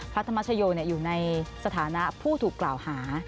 พระธรรมชโยอยู่ในสถานะผู้ถูกกล่าวหา